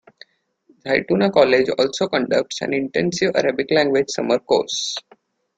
Zaytuna College also conducts an intensive Arabic language summer course.